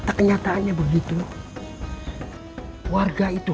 kadang kadang saya terlalu malu